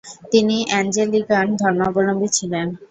তিনি অ্যাঞ্জেলিকান ধর্মাবলম্বী ছিলেন।